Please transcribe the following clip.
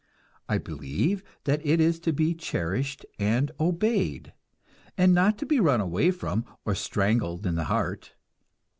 I believe that it is to be cherished and obeyed, and not to be run away from or strangled in the heart.